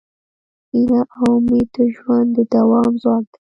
هیله او امید د ژوند د دوام ځواک دی.